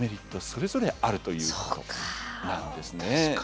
それぞれあるということなんですね。